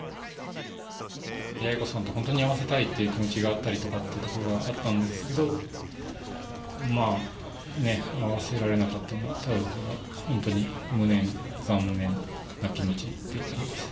八重子さんと本当に会わせたいっていう気持ちがあったりとかというところはあったんですけど、会わせられなかったのは、ただただ本当に無念、残念な気持ちであります。